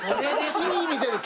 いい店です